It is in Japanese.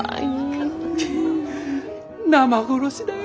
生殺しだよ。